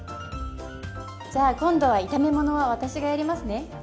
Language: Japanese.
じゃあ今度は炒め物は私がやりますね。